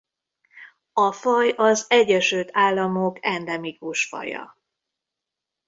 A faj az Egyesült Államok endemikus faja.